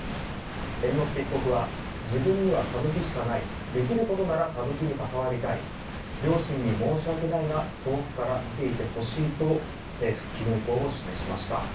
猿之助被告は自分には歌舞伎しかないできることなら歌舞伎に関わりたい両親に申し訳ないが遠くから見ていてほしいと復帰の意向を示しました。